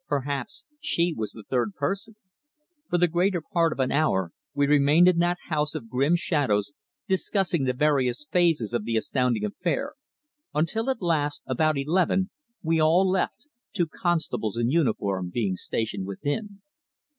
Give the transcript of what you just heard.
Perhaps she was the third person. For the greater part of an hour we remained in that house of grim shadows discussing the various phases of the astounding affair, until at last, about eleven, we all left, two constables in uniform being stationed within.